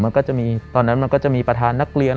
มันก็จะมีตอนนั้นมันก็จะมีประธานนักเรียน